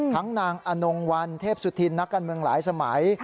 นางอนงวัลเทพสุธินนักการเมืองหลายสมัย